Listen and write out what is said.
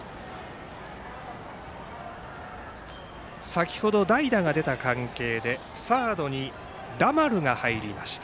先ほど代打が出た関係でサードにラマルが入りました。